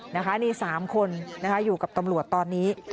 นี่๓คนอยู่กับตำรวจตอนนี้